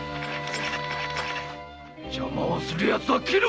邪魔をする奴は斬る！